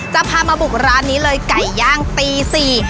จะพามาบุกร้านนี้เลยไก่ย่างตีสี่